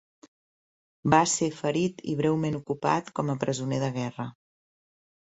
Va ser ferit i breument ocupat com a presoner de guerra.